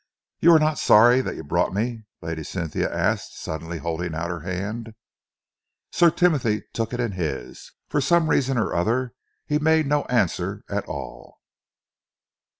"You are not sorry that you brought me?" Lady Cynthia asked, suddenly holding out her hand. Sir Timothy took it in his. For some reason or other, he made no answer at all.